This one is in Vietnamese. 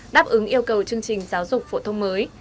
đáp ứng yêu cầu chương trình giáo dục phổ thông mới